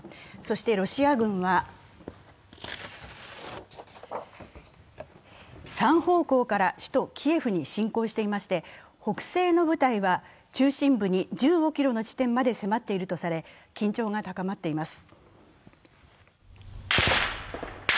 そして、ロシア軍は３方向から首都キエフに侵攻していまして、北西の部隊は中心部に１５ｋｍの地点まで迫っているとされ、緊張が高まっています。